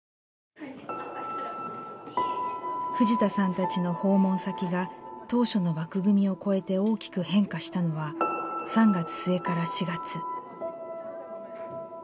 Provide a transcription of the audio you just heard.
藤田さんたちの訪問先が当初の枠組みを超えて大きく変化したのは３月末から４月。